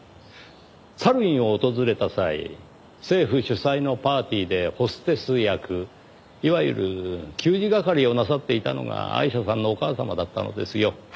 サルウィンを訪れた際政府主催のパーティーでホステス役いわゆる給仕係をなさっていたのがアイシャさんのお母様だったのですよ。